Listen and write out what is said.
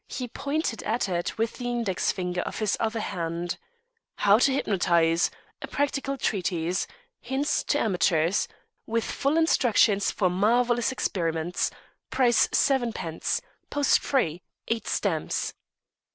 He pointed at it with the index finger of his other hand: "'How to Hypnotise. A Practical Treatise. Hints to Amateurs. With full instructions for marvellous experiments. Price 7d. post free, eight stamps.'"